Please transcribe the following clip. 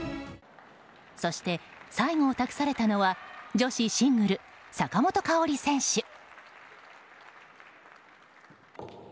そして最後を託されたのは女子シングル坂本花織選手。